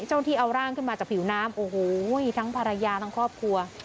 เจ้าหน้าที่เอาร่างขึ้นมาจากผิวน้ำโอ้โหทั้งภรรยาทั้งครอบครัว